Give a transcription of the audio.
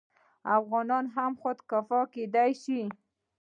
افغانان هم خودکفا کیدی شي.